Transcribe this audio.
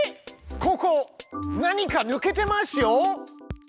ここ何かぬけてますよ。